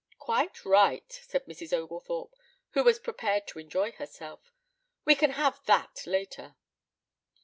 "Quite right," said Mrs. Oglethorpe, who was prepared to enjoy herself. "We can have that later."